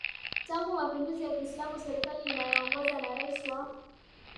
tangu mapinduzi ya Kiislamu Serikali inayoongozwa na rais wa